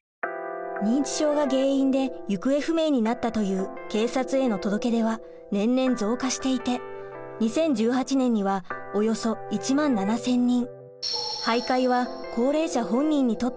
認知症が原因で行方不明になったという警察への届け出は年々増加していて２０１８年にはおよそ１万７，０００人。